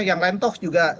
yang rentoh juga